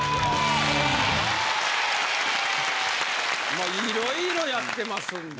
まあいろいろやってますんで。